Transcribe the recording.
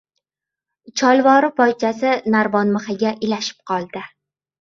Cholvori poychasi narvon mixiga ilashib qoldi.